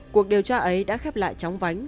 cuộc điều tra ấy đã khép lại tróng vánh